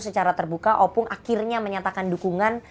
secara terbuka opung akhirnya menyatakan dukungan